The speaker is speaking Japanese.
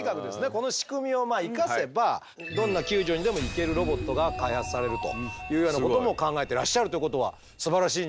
この仕組みを生かせばどんな救助にでも行けるロボットが開発されるというようなことも考えてらっしゃるということはすばらしいんじゃないかと思いますが。